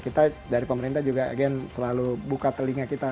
kita dari pemerintah selalu buka telinga kita